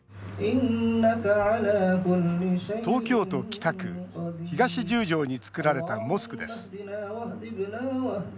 東京都北区東十条に造られたモスクです。